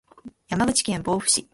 山口県防府市